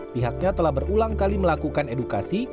pihaknya telah berulang kali melakukan edukasi